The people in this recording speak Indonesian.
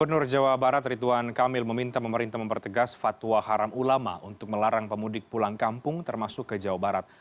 gubernur jawa barat rituan kamil meminta pemerintah mempertegas fatwa haram ulama untuk melarang pemudik pulang kampung termasuk ke jawa barat